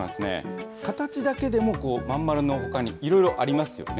形だけでも、まんまるのほかにいろいろありますよね。